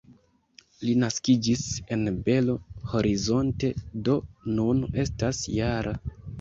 Li naskiĝis en Belo Horizonte, do nun estas -jara.